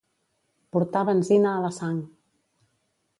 Portar benzina a la sang.